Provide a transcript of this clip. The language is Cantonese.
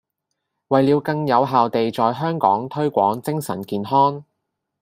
為了更有效地在香港推廣精神健康